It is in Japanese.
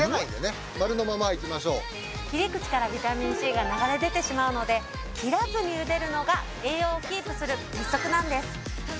切り口からビタミンＣが流れ出てしまうので切らずにゆでるのが栄養をキープする鉄則なんです。